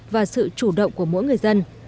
và sự chủ động của mỗi người dân